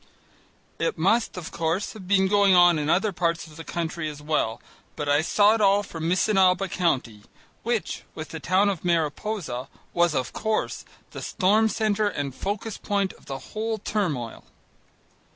It must, of course, have been going on in other parts of the country as well, but I saw it all from Missinaba County which, with the town of Mariposa, was, of course, the storm centre and focus point of the whole turmoil.